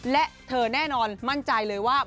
และเธอแน่นอนมั่นใจเลยว่า